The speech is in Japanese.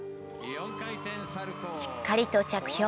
しっかりと着氷。